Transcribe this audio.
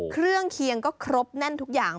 เครื่องเคียงก็ครบแน่นทุกอย่าง